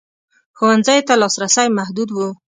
ښوونځیو ته لاسرسی محدود و.